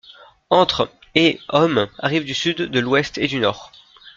Entre et hommes arrivent du sud, de l'ouest et du nord.